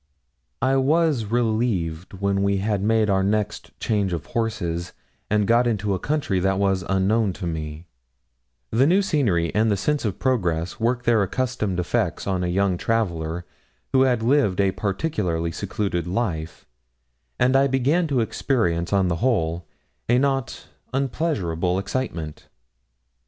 I was relieved, and when we had made our next change of horses, and got into a country that was unknown to me, the new scenery and the sense of progress worked their accustomed effects on a young traveller who had lived a particularly secluded life, and I began to experience, on the whole, a not unpleasurable excitement.